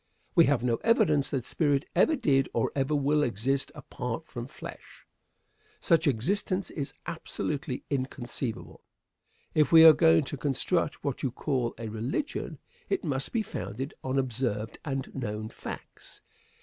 We have no evidence that spirit ever did or ever will exist apart from flesh. Such existence is absolutely inconceivable. If we are going to construct what you call a "religion," it must be founded on observed and known facts.